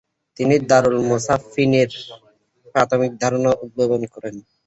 তিনি দারুল মুসান্নিফীনের প্রাথমিক ধারণা উদ্ভাবন করেন।